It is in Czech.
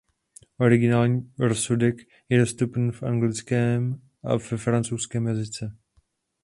Originální rozsudek je dostupný v anglickém a ve francouzském jazyce.